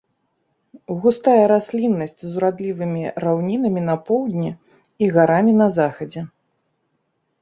Густая расліннасць з урадлівымі раўнінамі на поўдні і гарамі на захадзе.